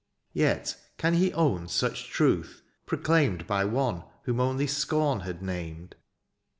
Yet can he own such truth, proclaimed By one whom only scorn had named